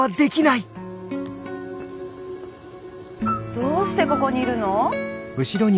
どうしてここにいるの？